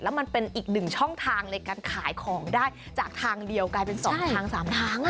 มันเป็นอีกหนึ่งช่องทางในการขายของได้จากทางเดียวกลายเป็น๒ทาง๓ทาง